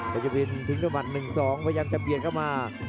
พัทยาวินทิ้งตัวมันหนึ่งสองพยายามจะเปลี่ยนเข้ามา